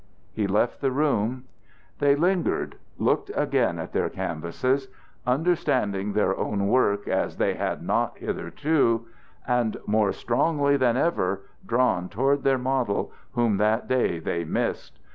He left the room. They lingered; looking again at their canvases, understanding their own work as they had not hitherto and more strongly than ever drawn toward their model whom that day they missed.